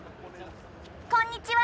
こんにちは！